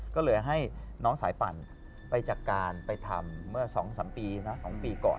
ก็เลยให้น้องสายปั่นไปจัดการไปทำเมื่อ๒๓ปี๒ปีก่อน